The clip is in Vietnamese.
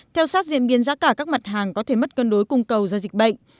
theo sát diễn biến giá cả các mặt hàng có thể mất cân đối cung cầu do dịch bệnh